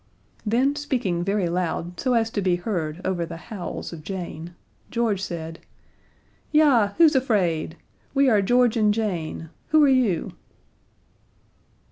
Then, speaking very loud so as to be heard over the howls of Jane, George said: "Yah who's afraid? We are George and Jane who are you?"